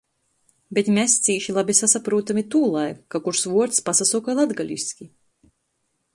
Bet mes cīši labi sasaprūtam i tūlaik, ka kurs vuords pasasoka latgaliski.